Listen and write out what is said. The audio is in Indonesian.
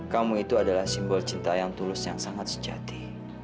kamu itu adalah simbol cinta yang tulus yang sangat sejati